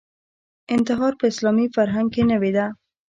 انتحار په اسلامي فرهنګ کې نوې ده